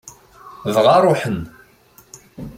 Dɣa ṛuḥen.